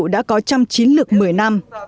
đã có trăm chín lược một mươi năm